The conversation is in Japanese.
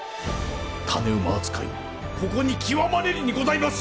種馬扱いもここに極まれりにございます！